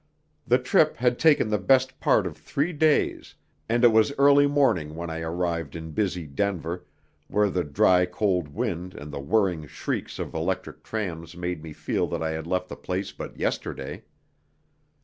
The trip had taken the best part of three days, and it was early morning when I arrived in busy Denver, where the dry cold wind and the whirring shrieks of electric trams made me feel that I had left the place but yesterday.